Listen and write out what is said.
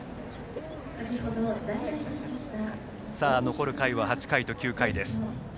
残る回は８回と９回。